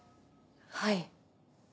はい。